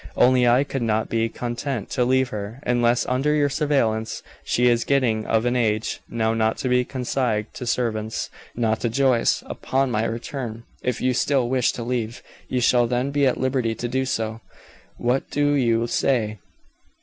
Only I could not be content to leave her, unless under your surveillance; she is getting of an age now not to be consigned to servants, not to Joyce. Upon my return, if you still wish to leave, you shall then be at liberty to do so. What do you say?"